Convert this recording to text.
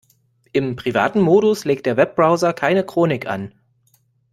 Im privaten Modus legt der Webbrowser keine Chronik an.